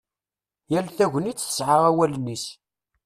Yal tagnit tesɛa awalen-is.